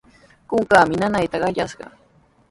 Kunkaami nanayta qallashqa.